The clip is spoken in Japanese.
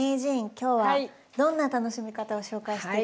今日はどんな楽しみ方を紹介して頂けるんですか？